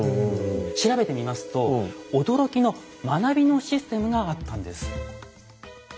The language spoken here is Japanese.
調べてみますと驚きの学びのシステムがあったんです。